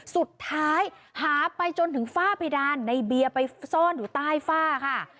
สุดท้ายหาไปจนถึงฝ้าเพดานในเบียร์ไปซ่อนอยู่ใต้ฝ้าค่ะ